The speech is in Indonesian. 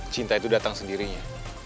cinta itu datang sendirinya